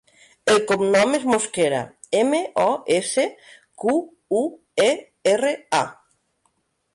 El cognom és Mosquera: ema, o, essa, cu, u, e, erra, a.